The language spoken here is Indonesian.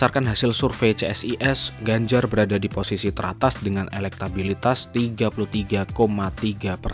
anda mengikatakan pada tiga pipeline tersebut tergolong ke alam accompagneur